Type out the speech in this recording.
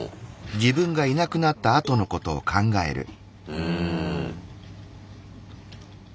うん。